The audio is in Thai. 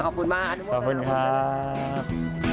ขอบคุณมากอันทุกคนขอบคุณมาก